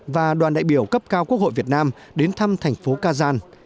và đoàn đại biểu cấp cao quốc hội việt nam đến thăm thành phố kazan